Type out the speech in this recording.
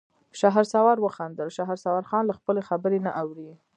شهسوار وخندل: شهسوارخان له خپلې خبرې نه اوړي.